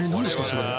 それ。